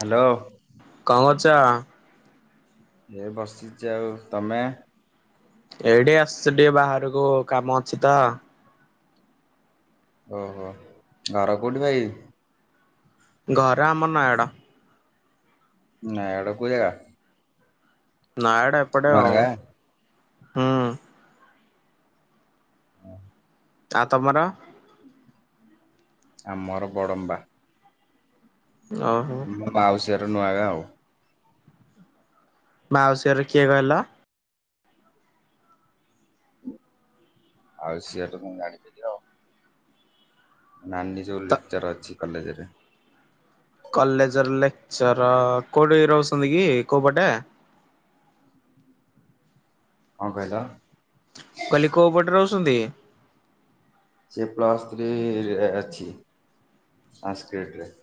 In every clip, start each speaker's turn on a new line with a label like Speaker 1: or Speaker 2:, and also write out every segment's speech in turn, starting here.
Speaker 1: Hello.
Speaker 2: କଣ କରୁଛ?
Speaker 1: ଏ ବସିଛି ଆଉ। ତମେ?
Speaker 2: ଏଇଠି ଆସୁଛି ଟିକେ ବାହାରକୁ କାମ ଅଛି ତ।
Speaker 1: ଓହୋ। ଘର କୋଉଠି ଭାଇ?
Speaker 2: ଘର ଆମ ନୟାଗଡ଼।
Speaker 1: ନୟାଗଡ଼ କୋଉ ଜାଗା?
Speaker 2: ନୟାଗଡ଼ ଏପଡେ ଆଉ,
Speaker 1: ନୂଆଗାଁ
Speaker 2: ହୁଁ। ତା ତୁମର?
Speaker 1: ଆମର ବଡମ୍ବା।
Speaker 2: ଓ ହୋ।
Speaker 1: ମୋ ମାଉସୀ ଘର ନୂଆଁଗା ଆଉ।
Speaker 2: ମାଉସି ଘର କିଏ କହିଲ?
Speaker 1: ମାଉସୀ ଘର କଣ ଜାଣିପାରିବ? ନାନୀ ଯୋଉ ଲେକ୍ଚର ଅଛି କଲେଜ୍ ରେ।
Speaker 2: କଲେଜ ର ଲେକ୍ଚର କୋଉଠି ରହୁଛନ୍ତି କି କୋଉ ପଟେ?
Speaker 1: କଣ କହିଲ?
Speaker 2: କହଲି କୋଉ ପଟେ ରହୁଛନ୍ତି?
Speaker 1: ସେ ପ୍ଲସ୍ ଥ୍ରୀ ରେ ଅଛି ସାଂସ୍କ୍ରିଟ୍ ରେ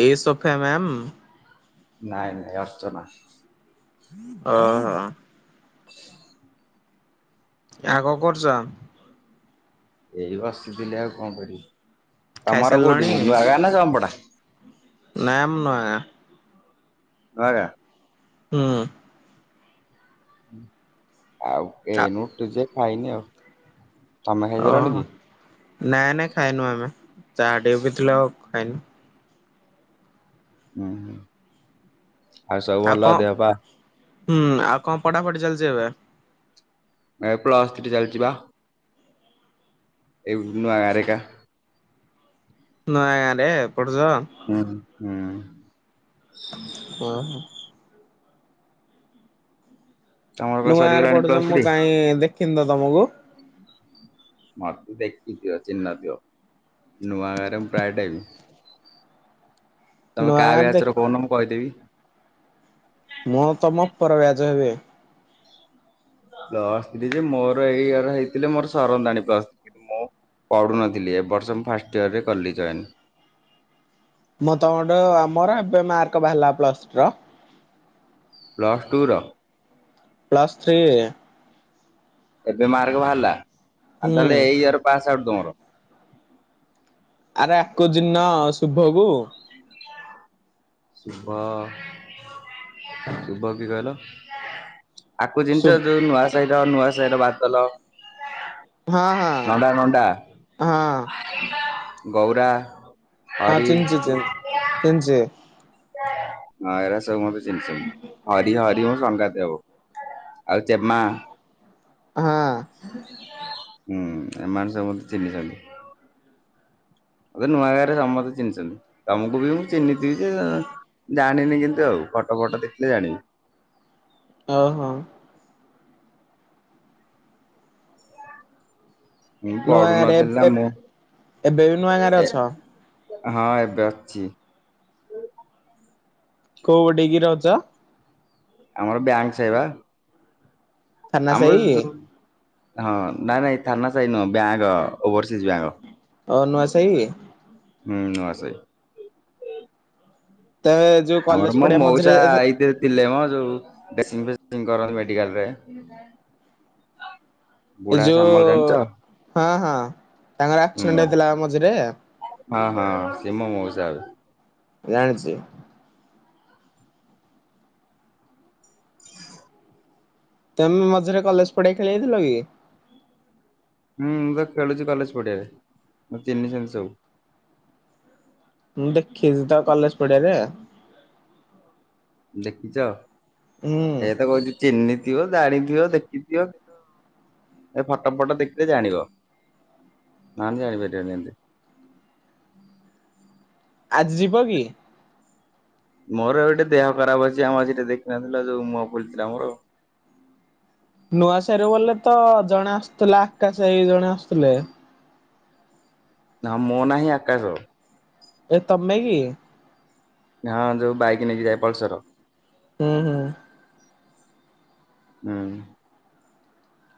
Speaker 2: ଏଇ ସଫେ ମ୍ୟାମ୍।
Speaker 1: ନାଇଁ ନାଇଁ ଅର୍ଚନା।
Speaker 2: ଓହୋ।
Speaker 1: ହଁ
Speaker 2: ଆଉ କଣ କରୁଛ?
Speaker 1: ଏଇ ବସିଥିଲି ଆଉ କଣ କରିବି। ତମର
Speaker 2: ଖାଇସାରିଲଣି
Speaker 1: କୋଉଠି ନୂଆଗାଁ ନା ଜମପଡା?
Speaker 2: ନାଇ ମୁ ନ
Speaker 1: ନୂଆଗାଁ?
Speaker 2: ହୁଁ।
Speaker 1: ଆଉ ଏ ନୁ ତୁ ଯେ ଖାଇନି ଆଉ। ତମେ ଖାଇସାରିଲଣି
Speaker 2: ଓହୋ।
Speaker 1: କି?
Speaker 2: ନାଇଁ ନାଇଁ ଖାଇନୁ ଆମେ ଚା ଟିକେ ପିଇଥିଲୁ ଆଉ ଖାଇନୁ।
Speaker 1: ହୁଁ ହୁଁ। ଆଉ ସବୁ
Speaker 2: ଆଉ
Speaker 1: ଭଲ
Speaker 2: କଣ
Speaker 1: ଦେହ ପା?
Speaker 2: ହୁଁ ଆଉ କଣ ପଢାପଢି ଚାଲିଛି ଏବେ?
Speaker 1: ଏ ପ୍ଲସ ଥ୍ରି ଚାଲିଛି ବା। ଏ ନୂଆଗାଁ ରେ ଏକା।
Speaker 2: ନୂଆ ଗାଁ ରେ ପଢୁଛ?
Speaker 1: ହଁ ହୁଁ।
Speaker 2: ହଁ ହ।
Speaker 1: ତମର କଣ
Speaker 2: ନୂଆଗାଁ ରେ
Speaker 1: ସରିଗଲାଣି
Speaker 2: ପଡୁଛ
Speaker 1: ପ୍ଲସ୍
Speaker 2: ମୁଁ
Speaker 1: ଥ୍ରୀ?
Speaker 2: କାଇହିଁ ଦେଖିିନି ତ ତମକୁ?
Speaker 1: ମତେ ଦେଖିଥିବ ଚିହ୍ନି ନଥିବ। ନୂଆଗାଁ ରେ ମୁଁ ପ୍ରାୟ ଟାଇମ।
Speaker 2: [inaudible]
Speaker 1: ତମେ କାହା
Speaker 2: ଗାଁରେ ଦେ
Speaker 1: ବ୍ୟାଚ ର କହୁନ ମୁଁ କହିଦେବି।
Speaker 2: ମୁଁ ତମ ଉପର ବ୍ୟାଚ ହେବି।
Speaker 1: ପ୍ଲସ ଥ୍ରୀ ଯେ ମୋର ଏଇ ଇୟର ହେଇଥିଲେ ମୋର ସରନ୍ତାଣି ପ୍ଲସ ଥ୍ରୀ କିନ୍ତୁ ମୁ ପଢୁନଥିଲି ଏ ବର୍ଷ ମୁଁ ଫାଷ୍ଟ ଇୟରରେ କଲି ଜଏନ।
Speaker 2: ମୁ ତମଠୁ ଆ ମୋର ଏବେ ମାର୍କ ବାହାରିଲା ପ୍ଲସ ଟୁ ର।
Speaker 1: ପ୍ଲସ ଟୁ ର?
Speaker 2: Plus three.
Speaker 1: ଏବେ ମାର୍କ ବାହାରିଲା ଆଉ
Speaker 2: ହୁଁ
Speaker 1: ତାହେଲେ ଏଇ ଇୟର ପାସ୍ ଆଉଟ୍ ତମର।
Speaker 2: ଆରେ ଆକୁ ଚିହ୍ନିନ ଶୁଭ କୁ?
Speaker 1: ଶୁଭ ଶୁଭ କିଏ କହିଲ? ଆକୁ
Speaker 2: ଶୁ
Speaker 1: ଚିହ୍ନିଚ ଯୋଉ ନୂଆସାହି ର ନୂଆସାହି ର ବାଦଲ?
Speaker 2: ହଁ ହଁ
Speaker 1: ନଣ୍ଡା ନଣ୍ଡା
Speaker 2: ହଁ
Speaker 1: ଗୌରା।
Speaker 2: ହଁ
Speaker 1: ହରି
Speaker 2: ଚିହ୍ନିଚି ଚିହ୍ନ ଚିହ୍ନିଚି।
Speaker 1: ହଁ ଏଇରା ସବୁ ମତେ ଚିହ୍ନିଚନ୍ତି ହରି ହରି ମୁଁ ସଙ୍ଗାତି ହଉ। ଆଉ ଚେମା।
Speaker 2: ହଁ।
Speaker 1: ହୁଁ ଏମାନେ ସମସ୍ତେ ଚିହ୍ନିଚନ୍ତି। ମତେ ନୂଆଗାଁ ରେ ସମସ୍ତେ ଚିହ୍ନିଚନ୍ତି ତମୁକୁ ବି ମୁଁ ଚିହ୍ନିଥିବି ଯେ ଅଁ ଜାଣିନି କିନ୍ତୁ ଆଉ ଫଟୋ ଫଟ ଦେଖିଲେ ଜାଣିବି।
Speaker 2: ଓହୋ।
Speaker 1: ମୁଁ
Speaker 2: ନୂଆ
Speaker 1: ପଢୁ
Speaker 2: ଗାଁରେ
Speaker 1: ନଥିଲି ନା
Speaker 2: ଏ
Speaker 1: ମୁଁ
Speaker 2: ଏବେ ବି ନୂଆ ଗାଁରେ
Speaker 1: ଏ
Speaker 2: ଅଛ
Speaker 1: ହଁ ଏବେ ଅଛି।
Speaker 2: କୋଉ ଡିଗି ରହୁଚ?
Speaker 1: ଆମର ବ୍ୟାଙ୍କ ସାହି ବା।
Speaker 2: ଥାନା
Speaker 1: ଆମର
Speaker 2: ସାହି?
Speaker 1: ଯୋ-ଯୋଉ ହଁ ନାଇଁ ନାଇଁ ଥାନା ସାହି ନୁହଁ ବ୍ୟାଙ୍କ ଓଭରସିଜ୍ ବ୍ୟାଙ୍କ।
Speaker 2: ଓହୋ ନୂଆସାଇ।
Speaker 1: ହୁଁ ନୂଆସାହି।
Speaker 2: ତେମେ
Speaker 1: ଆମର ମୋ ମଉସା ଆଇଥି ଥିଲେ ମ ଯୋଉ ଚେକିଙ୍ଗ ଫେକିଙ୍ଗ କରନ୍ତି ମେଡିକାଲରେ।
Speaker 2: ଏ ଯୋଉ ହଁ ହଁ ତାଙ୍କର
Speaker 1: ହୁଁ
Speaker 2: ଆକ୍ସିଡେଣ୍ଟ ହେଇଥିଲା ମଝିରେ।
Speaker 1: ହଁ ହଁ ସିଏ ମୋ ମଉସା ହେବେ।
Speaker 2: ଜାଣିଚି। ତେମେ ମଝିରେ କଲେଜ ପଡିଆ ଖେଳି ଆଇଥିଲ କି?
Speaker 1: ହୁଁ ମୁଁ ତ ଖେଳୁଚି କଲେଜ ପଡିଆରେ ମତେ ଚିହ୍ନିଚନ୍ତି ସବୁ।
Speaker 2: ମୁଁ ଦେଖିଚି ତ କଲେଜ ପଡିଆରେ।
Speaker 1: ଦେଖିଚ
Speaker 2: ହୁଁ
Speaker 1: ଏଇଆ ତ କହୁଚି ଚିହ୍ନି ଥିବ ଜାଣିଥିବ ଦେଖିଥିବ କିନ୍ତୁ ଏ ଫଟୋ ଫଟୋ ଦେଖିଲେ ଜାଣିବ ନହେଲେ ଜାଣିପାରିବନି ଏମତି।
Speaker 2: ଆଜି ଯିବ କି?
Speaker 1: ମୋର ଏବେ ଟିକେ ଦେହ ଖରାପ ଅଛି ମଝିରେ ଦେଖିନଥିଲ ଯୋଉ ମୁହଁ ଫୁଲିଥିଲା ମୋର।
Speaker 2: ନୂଆସାହି ରେ ବୋଲେ ତ ଜଣେ ଆସୁଥିଲା ଆକାଶ ଭାଇ ଜଣେ ଆସୁଥିଲେ।
Speaker 1: ନା ମୋ ନାଁ ହିଁ ଆକାଶ।
Speaker 2: ଏ ତମେ କି?
Speaker 1: ହଁ ଯୋଉ ବାଇକ ନେଇକି ଯାଏ ପଲସର୍।
Speaker 2: ହୁଁ ହୁଁ।
Speaker 1: ହୁଁ।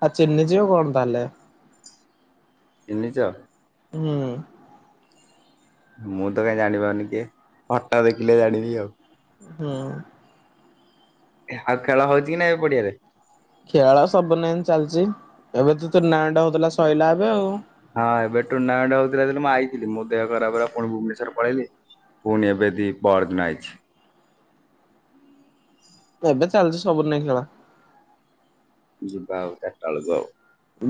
Speaker 2: ଆଉ ଚିନି ଯିବ କଣ ତାହେଲେ?
Speaker 1: ଚିହିଁଚ?
Speaker 2: ହୁଁ।
Speaker 1: ମୁଁ ତ କାଇଁ ଜାଣିପାରୁନି କିଏ, ଫଟା ଦେଖିଲେ ଜାଣିବି ଆଉ।
Speaker 2: ହୁଁ।
Speaker 1: ଆଉ ଖେଳ ହଉଚି କି ନାହିଁ, ଏବେ ପଡିଆରେ।
Speaker 2: ଖେଳ ସବୁ ସବୁଦିନ ଏମିତି ଚାଲିଚି, ଏବେ ତ ଟୁର୍ଣ୍ଣାମେଣ୍ଟ ହଉଥିଲା ସଇଲା ଏବେ ଆଉ।
Speaker 1: ହଁ ଏବେ ଟୁର୍ଣ୍ଣାମେଣ୍ଟ ହଉଥିଲା, ମୁଁ ଆଇଥିଲି, ମୋ ଦେହ ଖରାପ ହେଲା ପୁଣି ଭୁବନେଶ୍ୱର ପଳେଇଲି। ପୁଣି ଏବେ ଦି ପଅରିଦିନ ଆଇଚି।
Speaker 2: ଏବେ ଚାଲିଛି ସବୁ ନେଇଁ ଖେଳ।
Speaker 1: ଯିବା ଆଉ, ଚାରିଟାଏଳକୁ ଆଉ।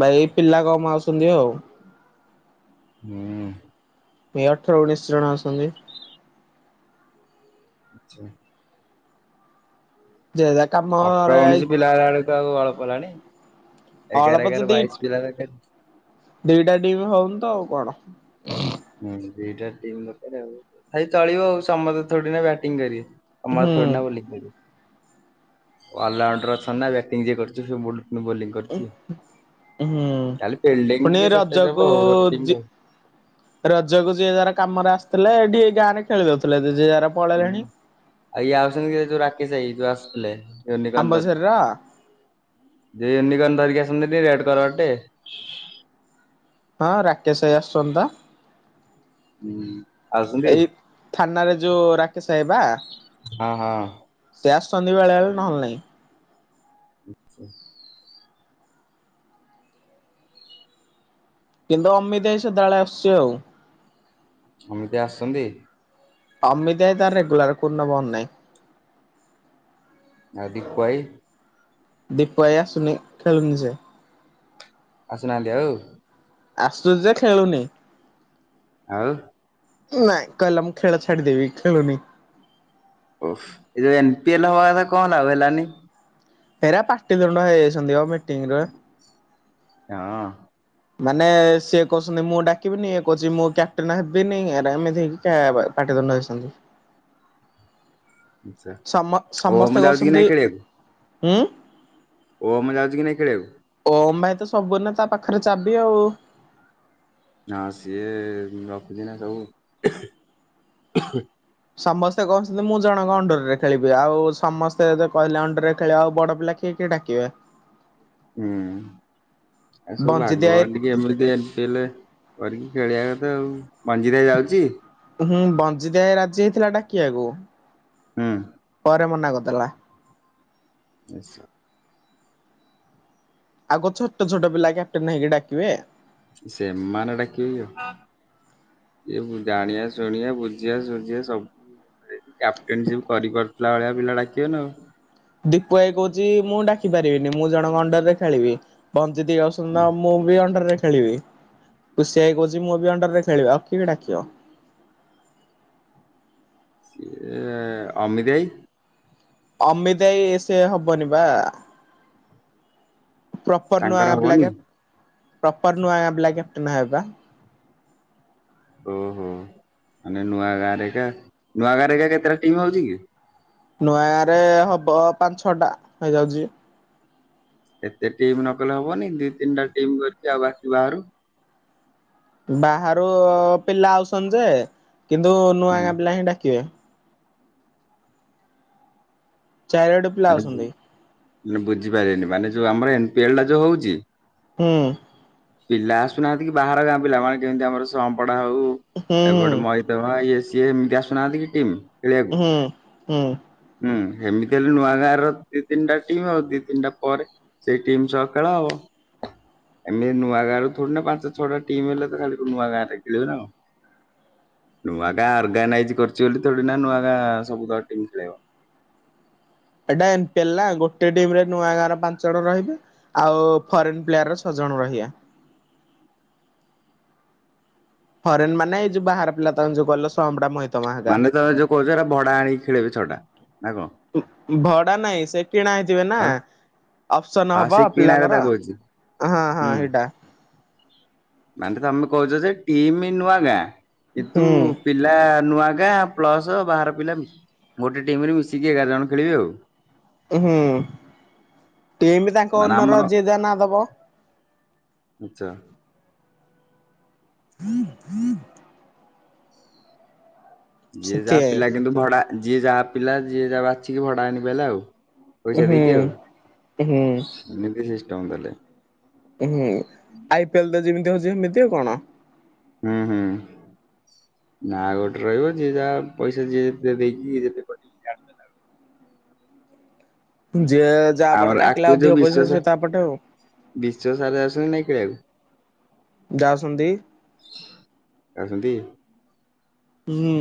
Speaker 2: ଭାଇ ପିଲା କମ୍ ଆଉଚନ୍ତି ଆଉ।
Speaker 1: ହୁଁ।
Speaker 2: ଏଇ ଅଠର ଉଣେଇଶି ଜଣ ଆସନ୍ତି।
Speaker 1: ଆଛା।
Speaker 2: ଜୟ ଦା
Speaker 1: ଅଠର ଉଣିଶି ପିଲା ହେଲା ବେଳକୁ ଆଉ ଅଳପ ହେଲାଣି? ଏଗାର
Speaker 2: ଅଳପ
Speaker 1: ଏଗାର
Speaker 2: ଯଦି
Speaker 1: ବାଇଶି ପିଲା ଦରକାର।
Speaker 2: ଦିଟା ଟିମ୍ ହଉନି ତ ଆଉ କଣ?
Speaker 1: ଦିଟା ଟିମ୍ ଦରକାର ଆଉ। ଆମର ଥୋଡ଼ି ନା
Speaker 2: ହୁଁ
Speaker 1: ବୋଲିଂ କରିବେ। ଅଲରାଉଣ୍ଡର ଅଛନ୍ତି ନା, ବ୍ୟାଟିଂ ଯିଏ କରୁଚି, ସେ ବୋଲି ବୋଲିଙ୍ଗ କରୁଚି ଆଉ,
Speaker 2: ହୁଁ।
Speaker 1: ଖାଲି ଫିଲିଡିଙ୍ଗ
Speaker 2: ପୁଣି
Speaker 1: ଟିକେ ସଟେଜ
Speaker 2: ରଜକୁ
Speaker 1: ହବ ଆଉ, ଗୋଟେ ଟିମ
Speaker 2: ଯି
Speaker 1: ରୁ ଆଉ।
Speaker 2: ରଜକୁ ଯିଏ ଯାର କାମରେ ଆସିଥିଲା, ଟିକେ ଗାଁ ରେ ଖେଳି ଦଉଥିଲେ ଯିଏ ଯାର
Speaker 1: ହୁଁ,
Speaker 2: ପଳେଇଲେଣି
Speaker 1: ଆଉ ଇଏ ଆଉଚନ୍ତି ଯୋଉ ରାକେଶ ଭାଇ, ଯୋଉ ଆସୁଥିଲେ ୟୁନିକର୍ଣ୍ଣ ଧରିକି।
Speaker 2: ଆମ୍ବଝରିର
Speaker 1: ଯିଏ ୟୁନିକର୍ଣ୍ଣ ଧରିକି ଆସନ୍ତିି ନି, ରେଡ଼ କଲର ଟେ?
Speaker 2: ହଁ, ରାକେଶ ଭାଇ ଆସୁଛନ୍ତିତ।
Speaker 1: ଆସୁଛନ୍ତି।
Speaker 2: ଏଇ ଥାନାରେ ଯୋଉ ରାକେଶ ଭାଇ ପା?
Speaker 1: ହଁ ହଁ
Speaker 2: ସେ ଆସୁଚନ୍ତି ବେଳେବେଳେ, ନହେଲେ ନାଇଁ।
Speaker 1: ଆଛା।
Speaker 2: କିନ୍ତୁ ଅମିତି ଭାଇ ସେଦାବେଳେ ଆସୁଛି ଆଉ।
Speaker 1: ଅମିତି ଆସନ୍ତି?
Speaker 2: ଅମିତ୍ ଆଇ ତାର ରେଗୁଲାର, କୋଉ ଦିନ ତାର ବନ୍ଦ ନାହିଁ।
Speaker 1: ଆଉ ଦିପୁ ଭାଇ?
Speaker 2: ଦୀପୁ ଭାଇ ଆସୁନି, ଖେଳୁନି ସେ
Speaker 1: ଆସୁନାହାନ୍ତି ଆଉ।
Speaker 2: ଆସୁଚି ଯେ ଖେଳୁନି।
Speaker 1: ଆଉ
Speaker 2: ନାଇଁ କହିଲା ମୁଁ ଖେଳ ଛାଡିଦେବି, ଖେଳୁନି।
Speaker 1: ଓହ, ଏ ଏନପି ଏଲ ହବା କଥା କଣ ହେଲା? ହେଲାନି।
Speaker 2: ଏରା ପାଟି ତୁଣ୍ଡ ହେଇଯାଇଛନ୍ତି ପା ମିଟିଂରେ।
Speaker 1: ହଁ।
Speaker 2: ମାନେ ସିଏ କହୁଛନ୍ତି ମୁଁ ଡାକିବିନି ଇଏ କହୁଛି ମୁଁ କ୍ୟାପ୍ଟେନ ହେବିନି ଏରା ଏମିତି ଟା ବା ପାଟିତୁଣ୍ଡ ହେଇଛନ୍ତି।
Speaker 1: ଆଚ୍ଛା।
Speaker 2: ସମ
Speaker 1: ଓମ୍
Speaker 2: ସମସ୍ତେ
Speaker 1: ଯାଉଛି କି
Speaker 2: ଗଉଛନ୍ତି।
Speaker 1: ନାଇଁ ଓମ ଯାଉଛି କି ନାଇ ଖେଳିବାକୁ?
Speaker 2: ଓମ ଭାଇ ତ ସବୁଦୀନ ତା ପାଖରେ ଚାବି ଆଉ।
Speaker 1: ନା ସିଏ ରଖୁଛି ନା ସବୁ।
Speaker 2: ସମସ୍ତେ କହୁଛନ୍ତି ମୁଁ ଜଣଙ୍କ ଅଣ୍ଡରରେ ଖେଳିବି ଆଉ ସମସ୍ତେ ଯଦି କହିଲେ ଅଣ୍ଡରରେ ଖେଳିବାକୁ ଆଉ ବଡ ପିଲା କିଏ କିଏ ଟାକିବେ।
Speaker 1: ହୁଁ ଆଉ ସବୁ
Speaker 2: ବଞ୍ଜିତ
Speaker 1: ଭାଗ
Speaker 2: ଭାଇ
Speaker 1: ବାଣ୍ଟି କେମିତି ଏମିତି ହେଲେ କରିକି ଖେଳିବା କଥା ଆଉ। ମଞ୍ଜିତ ଭାଇ ଯାଉଚି?
Speaker 2: ହୁଁ ବଞ୍ଜିଦ ଭାଇ ରାଜି ହେଇଥିଲା ଡାକିବାକୁ।
Speaker 1: ହୁଁ।
Speaker 2: ପରେ ମନା କରିଦେଲା।
Speaker 1: ଆଚ୍ଛା।
Speaker 2: ଆଉ କଣ ଛୋଟ ଛୋଟ ପିଲା କ୍ୟାପଟେନ୍ ହେଇକି ଡାକିବେ?
Speaker 1: ସେମାନେ ଡାକିବେ କି ଆଉ। ଏବ ଜାଣିବା ଶୁଣିବା ବୁଝିଆ ସୁୁଝିଆ ସବୁ। କ୍ୟାପ୍ଟେନସିପ୍ କରିପାରୁଥିଲା ଭଳିଆ ପିଲା ଡାକିବେନା ଆଉ।
Speaker 2: ଦୀପୁ ଭାଇ କହୁଛି ମୁଁ ଡାକି ପାରିବିନି ମୁଁ ଜଣଙ୍କ ଅଣ୍ଡର ରେ ଖେଳିବି। ବଞ୍ଜିତ
Speaker 1: ହୁଁ,
Speaker 2: ଆ ମୁଁ ବି ଅଣ୍ଡରରେ ଖେଳିବି ଖୁସି ଭାଇ କହୁଛି ମୁଁ ବି ଅଣ୍ଡର ରେ ଖେଳିବି ଆଉ କି ଡାକିବ।
Speaker 1: କିଏ ଅମିତ ଭାଇ
Speaker 2: ଅମିତଭାଇ ସେ ହବନି ବା। ପ୍ରପର ନୂଆ
Speaker 1: ତାଙ୍କର
Speaker 2: ପିଲା
Speaker 1: ହବନି
Speaker 2: ଗା ପ୍ରପର ନୂଆ ପିଲା କ୍ୟାପ୍ଟଟେନ ହେବେପା।
Speaker 1: ଓ ହୋ ମାନେ ନୂଆ ଗାଁରେ କା ନୂଆ ଗାଁରେ ଏକା କେତେଟା ଟିମ୍ ହଉଛି କି?
Speaker 2: ନୂଆ ଗାଁ ରେ ହବ ପାଞ୍ଚ ଛଅ ଟା ହେଇଯାଉଛି।
Speaker 1: ଏତେ ଟିମ୍ ନ କଲେ ହବନି ଦି ତିନିଟା ଟିମ୍ କରିକି ଆଉ ବାକି ବାହାରୁ
Speaker 2: ବାହାରୁ ପିଲା ଆଉସନ୍ ଯେ କିନ୍ତୁ ନୂଆ
Speaker 1: ହୁଁ
Speaker 2: ଗାଁ ପିଲା ହିଁ ଡାକିବେ। ଚାରଡ଼
Speaker 1: ରୁକୁ ମାନେ ବୁଝିପାରିଲେନି ମାନେ ଯୋଉ ଆମର ଏମ୍ ପି ଏଲ ଟା ଯୋଉ ହୋଉଛି
Speaker 2: ହୁଁ।
Speaker 1: ପିଲା ଆସୁନାହାନ୍ତି କି ବାହାର ଗାଁ ପିଲା ମାନେ କେମିତି ଆମର ସମ୍ପଡା ହୋଉ
Speaker 2: ହୁଁ
Speaker 1: ଏପଟେ ମଇ [unintelligible] ଇଏ ସିଏ ଏମିତି ଆସୁ ନାହାନ୍ତି କି ଟିମ୍। ଖେଳିବାକୁ।
Speaker 2: ହୁଁ ହୁଁ।
Speaker 1: ହୁଁ ହେମିତିହେଲେ ନୂଆ ଗାଁ ର ଦି ତିନିଟା ଟିମ୍ ଆଉ ଦି ତିନିଟା ପରେ ସେଇ ଟିମ୍ ସହ ଖେଳ। ଏମିତି ନୂଆ ଗାଁ ରୁ ଥୋଡିନା ପାଞ୍ଚ ଛଅଟା ଟିମ୍ ହେଲେ ତ ଖାଲି ନୂଆ ଗାଁରେ ଖେଳିବୁ ନା କଣ? ନୂଆ ଗାଁ ଅର୍ଗାନାଇଜ କରୁଚି ବୋଲି ତୋ ଥୋଡିନା ନୂଆ ଗାଁ ସବୁତକ ଟିମ୍ ଖେଳେଇବ।
Speaker 2: ଏଇଟା ଏମ୍ ପିଏଲ୍ ନା ଗୋଟେ ଟିମ ରେ ନୂଆ ଗାଁର ପାଞ୍ଚ ଜଣ ରହିବେ। ଆଉ ଫରେନ ପ୍ଲେୟାର ର ଛ ଜଣ ରହିଆ। ଫରେନ୍ ମାନେ ଏ ଯୋଉ ବାହାର ପିଲା ତାଙ୍କର ଯୋଉ କହିଲ ସମଡା ମ
Speaker 1: ମାନେ ତମେ ଯୋଉ କହୁଛ ଭଡା ଆଣିକି ଖେଳିବେ ଛ ଟା। ନା କଣ?
Speaker 2: ଭଡା ନାଇଁ ସେ କିଣା ହେଇଥିବେ ନା।
Speaker 1: ଆଉ
Speaker 2: ଅପସନ
Speaker 1: ହଁ
Speaker 2: ହବ
Speaker 1: ସେଇ କିଣା କଥା
Speaker 2: ପିଲାଙ୍କର।
Speaker 1: କହୁଛି ହୁଁ ମାନେ ତମେ କହୁଛ ଯେ ଟିମି ନୂଆ ଗାଁ କିନ୍ତୁ
Speaker 2: ହୁଁ
Speaker 1: ପିଲା ନୂଆ ଗାଁ ପ୍ଲସ ବାହାର ପିଲା ଗୋଟେ ଟିମ୍ ରୁ ମିଶିକି ଏଗାର ଜଣ ଖେଳିବେ ଆଉ।
Speaker 2: ହୁଁ ଟିମ୍ ତାଙ୍କ
Speaker 1: ମାନେ ଆମର
Speaker 2: ଓନର ଜିଏ ଯାହା ନାଁ ଦବ।
Speaker 1: ଆଚ୍ଛା।
Speaker 2: ହୁଁ
Speaker 1: ଯିଏ ଯାହା
Speaker 2: ସେଥିପାଇଁ
Speaker 1: ପିଲା କିନ୍ତୁ ଭଡା ଯିଏ ଯାହା ପିଲା ଯିଏ ଯାହା ବାଛିକି ଭଡା ଆଣି ପାରିଲା ଆଉ। ପଇସା
Speaker 2: ହୁଁ।
Speaker 1: ଦେଇକି ଆଉ
Speaker 2: ହୁଁ
Speaker 1: ଏମିତି ସିଷ୍ଟମ ତାହଲେ।
Speaker 2: ହୁଁ ଆଇ ପି ଏଲ୍ ତ ଯେମିତି ହଉଛି ସେମିତି ଆଉ କଣ।
Speaker 1: ହୁଁ ହୁଁ। ନା ଗୋଟେ ରହିବ ଯିଏ ଯାହା ପଇସା ଯିଏ ଯେତ ଦେଇକି ଯେତେ କ
Speaker 2: ଯିଏ
Speaker 1: ଆମର
Speaker 2: ଯାହାପଟେ
Speaker 1: ଆକୁ
Speaker 2: ଡାକିଲା
Speaker 1: ଯୋଉ
Speaker 2: ଅଧିକ
Speaker 1: ବିଶ୍ଵ
Speaker 2: ପଇସା
Speaker 1: ସାର୍
Speaker 2: ସିଏ ତାପଟେ ଆଉ।
Speaker 1: ବିଶ୍ଵ ସାରା ଯାଉ ଛନ୍ତି ନା ଖେଳିବାକୁ।
Speaker 2: ଯାଉଛନ୍ତି।
Speaker 1: ଯାଉଛନ୍ତି।
Speaker 2: ହୁଁ।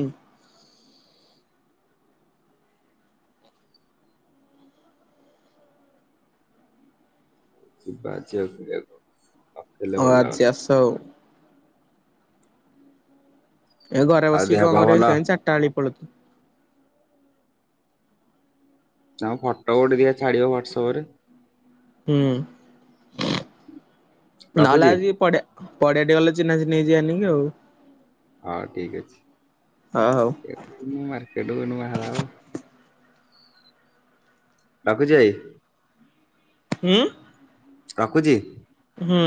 Speaker 1: ଯିବା ଆଜି ଆଉ ଖେଳିବାକୁ ଆଉ।
Speaker 2: ହଉ ଆଜି ଆସ ଆଉ। ଏ ଘରେ
Speaker 1: ଆଉ
Speaker 2: ବସିକି
Speaker 1: ଦେହ
Speaker 2: କଣ
Speaker 1: ପା
Speaker 2: କରିବେ
Speaker 1: ଭଲ?
Speaker 2: ସେଁ ଚାରିଟା ବେଳିକି ପଳୁଉଥିଲୁ।
Speaker 1: ଆଉ ଫଟୋ କୁ ଟିକେ ଦିଆ ଛାଡିବ ହ୍ୱଟସଆପ ରେ।
Speaker 2: ହୁଁ ନହଲେ
Speaker 1: ରଖୁଛି?
Speaker 2: ଆଜି ପଡିଆ ପଡିଆ ଟି ଗଲେ ଚିହ୍ନା ଚିହ୍ନି ହେଇ ଯିବା ନି କି ଆଉ।
Speaker 1: ହଁ ଠିକ୍ ଅଛି।
Speaker 2: ହ ହଉ।
Speaker 1: ଏ ଇଏ ମାର୍କେଟକୁ ନୁଆ ବାହାର‌ହବ। ରଖୁଛି ଭାଇ।
Speaker 2: ହୁଁ।
Speaker 1: ରଖୁଛି।
Speaker 2: ହୁଁ।